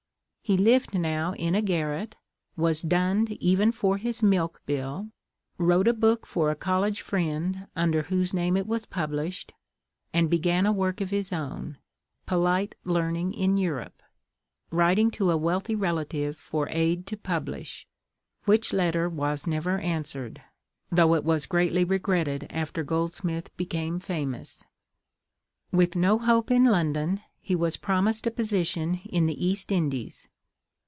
He lived now in a garret, was dunned even for his milk bill, wrote a book for a college friend, under whose name it was published, and began a work of his own, "Polite Learning in Europe," writing to a wealthy relative for aid to publish, which letter was never answered, though it was greatly regretted after Goldsmith became famous. With no hope in London, he was promised a position in the East Indies.